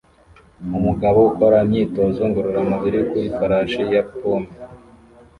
Umugabo ukora imyitozo ngororamubiri ku ifarashi ya pommel